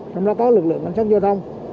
trong đó có lực lượng cảnh sát giao thông